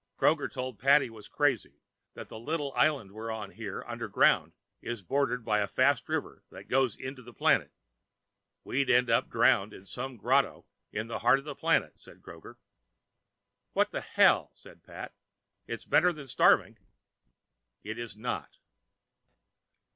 Kroger told Pat he was crazy, that the little island we're on here underground is bordered by a fast river that goes into the planet. We'd end up drowned in some grotto in the heart of the planet, says Kroger. "What the hell," says Pat, "it's better than starving." It is not.